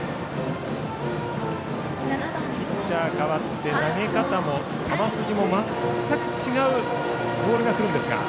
ピッチャー代わって投げ方も、球筋も全く違うボールが来るんですが。